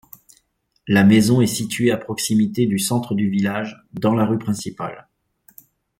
La maison est située à proximité du centre du village, dans la rue principale.